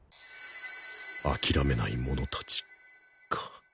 諦めない者達か